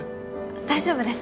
大丈夫です。